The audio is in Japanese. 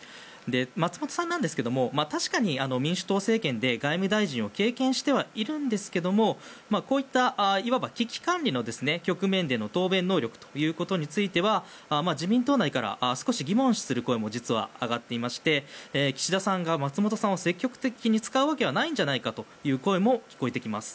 松本さんなんですが確かに民主党政権で外務大臣を経験してはいるんですがこういった、いわば危機管理での局面での答弁能力については自民党内から少し疑問視する声も実は上がっていまして岸田さんが松本さんを積極的に使うわけはないんじゃないかという声も聞こえてきます。